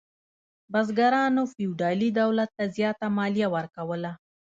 بزګرانو فیوډالي دولت ته زیاته مالیه ورکوله.